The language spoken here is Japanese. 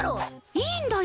いいんだよ。